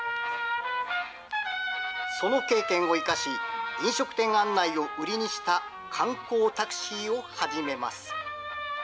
その経験を生かし、飲食店案内を売りにした観光タクシーを始めます。